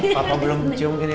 papa belum cium gini nih